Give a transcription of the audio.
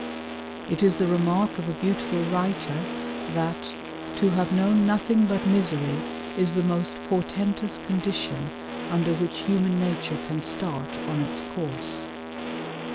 It is the remark of a beautiful writer that "to have known nothing but misery is the most portentous condition under which human nature can start on its course."